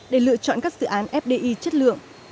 để lựa chọn các dự án fdi chất lượng